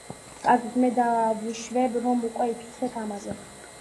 კარგით, მე დავუშვებ, რომ უკვე იფიქრეთ ამაზე.